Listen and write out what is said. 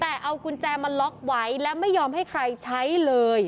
แต่เอากุญแจมาล็อกไว้และไม่ยอมให้ใครใช้เลย